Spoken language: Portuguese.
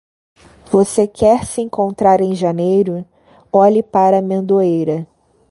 Você quer se encontrar em janeiro? Olhe para a amendoeira.